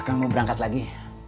aku mau berangkat lagi